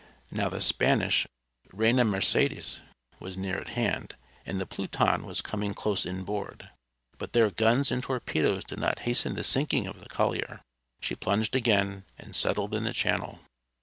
Now the Spanish Reina Mercedes was near at hand, and the Pluton was coming close inboard, but their guns and torpedoes did not hasten the sinking of the collier. She plunged again and settled in the channel.